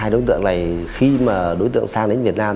hai đối tượng này khi mà đối tượng sang đến việt nam